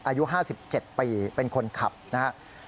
อายุ๕๗ปีเป็นคนขับนะครับ